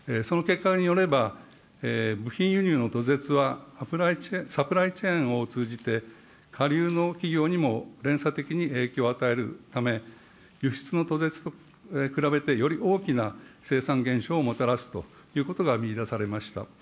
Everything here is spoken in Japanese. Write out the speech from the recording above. その結果によれば、部品輸入の途絶はサプライチェーンを通じて、かりゅうの企業にも連鎖的に影響を与えるため、輸出の途絶と比べてより大きな生産減少をもたらすということが見いだされました。